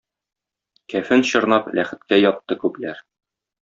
Кәфен чорнап, ләхеткә ятты күпләр.